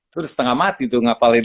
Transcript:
terus setengah mati tuh ngafalin